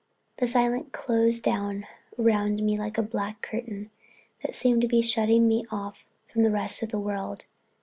The silence closed down around me like a black curtain that seemed to be shutting me off from the rest of the world.